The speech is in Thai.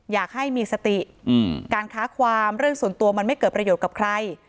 อยากให้มีสติการค้าความเรื่องส่วนตัวมันไม่เกิดประโยชน์กับใคร